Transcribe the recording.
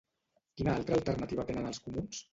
Quina altra alternativa tenen els Comuns?